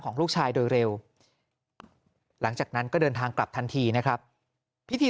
ของลูกชายโดยเร็วหลังจากนั้นก็เดินทางกลับทันทีนะครับพิธี